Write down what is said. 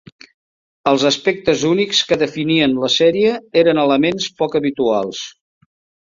Els aspectes únics que definien la sèrie eren elements poc habituals.